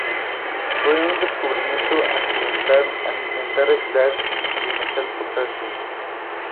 Fue un descubrimiento accidental al intentar aislar el metal potasio.